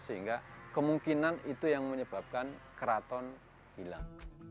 sehingga kemungkinan itu yang menyebabkan keraton hilang